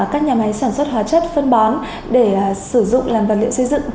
các nhà máy sản xuất hóa chất phân bón để sử dụng làm vật liệu xây dựng